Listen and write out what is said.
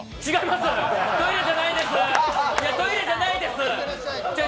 トイレじゃないですー。